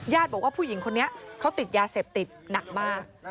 บอกว่าผู้หญิงคนนี้เขาติดยาเสพติดหนักมาก